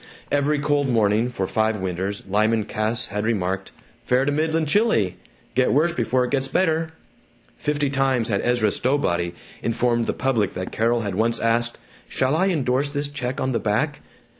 Every cold morning for five winters Lyman Cass had remarked, "Fair to middlin' chilly get worse before it gets better." Fifty times had Ezra Stowbody informed the public that Carol had once asked, "Shall I indorse this check on the back?"